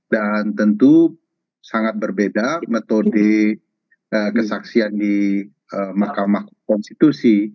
dan tentu sangat berbeda metode kesaksian di mahkamah konstitusi